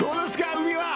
海は。